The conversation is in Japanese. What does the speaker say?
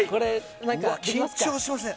緊張しますね。